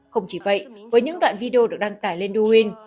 không chỉ vậy với những đoạn video được đăng tải lên doin